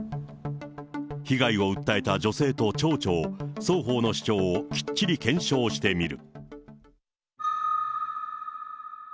被害を訴えた女性と町長、双方の主張をきっちり検証してみる。